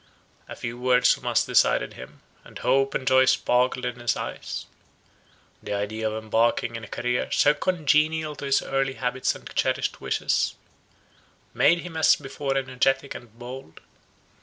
A few words from us decided him, and hope and joy sparkled in his eyes; the idea of embarking in a career, so congenial to his early habits and cherished wishes, made him as before energetic and bold.